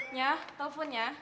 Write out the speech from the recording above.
nyah telepon nyah